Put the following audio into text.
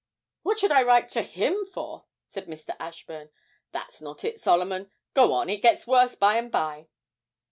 'What should I write to him for?' said Mr. Ashburn; 'that's not it, Solomon go on, it gets worse by and by!'